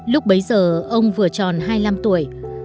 lúc bấy giờ ông vừa tròn hai mươi năm tuổi